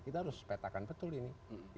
kita harus petakan betul ini